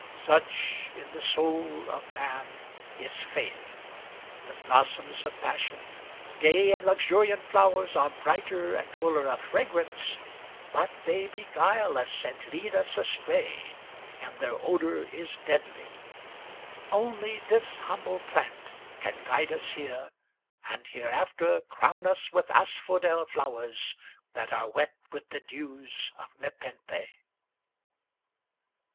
Such in the soul of man is faith. The blossoms of passion, Gay and luxuriant flowers, are brighter and fuller of fragrance, But they beguile us, and lead us astray, and their odor is deadly. Only this humble plant can guide us here, and hereafter Crown us with asphodel flowers, that are wet with the dews of nepenthe."